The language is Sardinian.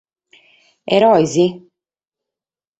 Eroes?